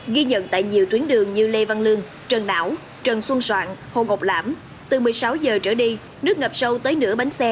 ghi nhận tại nhiều tuyến đường như lê văn lương trần não trần xuân soạn hồ ngọc lãm từ một mươi sáu giờ trở đi nước ngập sâu tới nửa bánh xe